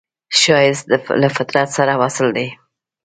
ښایست له فطرت سره وصل دی